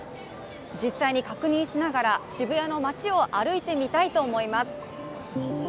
実際に確認しながら、渋谷の街を歩いてみたいと思います。